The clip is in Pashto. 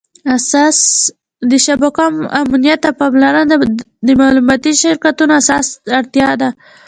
د شبکو امنیت ته پاملرنه د معلوماتي شرکتونو اساسي اړتیا ده.